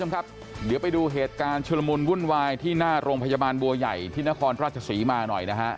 คุณผู้ชมครับเดี๋ยวไปดูเหตุการณ์ชุลมุนวุ่นวายที่หน้าโรงพยาบาลบัวใหญ่ที่นครราชศรีมาหน่อยนะฮะ